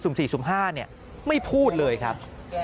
สุ่มสี่สุ่มห้าไม่พูดเลยครับ